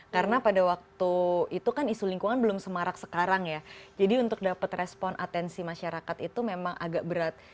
karena pada waktu itu kan isu lingkungan belum semarak sekarang ya jadi untuk dapat respon atensi masyarakat itu memang agak berat